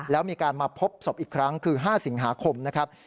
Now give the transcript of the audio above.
แล้วมีการมาพบศพอีกครั้งคือ๕สิงหาคมนะครับ